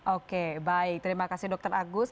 oke baik terima kasih dokter agus